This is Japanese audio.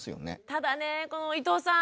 ただねこの伊藤さん。